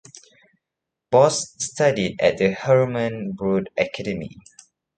Bos studied at the Herman Brood Academie.